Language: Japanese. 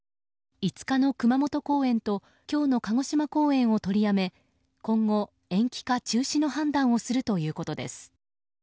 ５日の熊本公演と今日の鹿児島公演を取りやめ今後、延期か中止の判断をするということです。